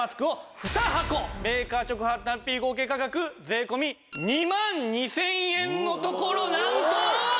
メーカー直販単品合計価格税込２万２０００円のところなんと！